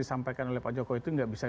disampaikan oleh pak jokowi itu tidak bisa